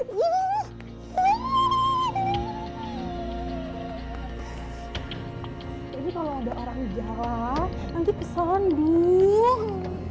jadi kalau ada orang jalan nanti kesan dong